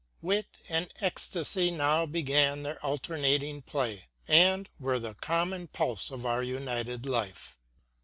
Wit and ecstasy now began their alternating play, and were the common pulse of our united life.